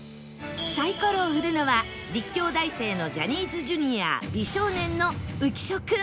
サイコロを振るのは立教大生のジャニーズ Ｊｒ． 美少年の浮所君